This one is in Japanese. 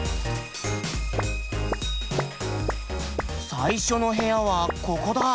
最初の部屋はここだ。